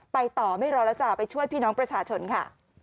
ต่อไม่รอแล้วจ้าไปช่วยพี่น้องประชาชนค่ะ